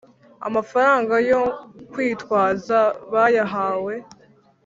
amafaranga yo kwitwaza bayahawe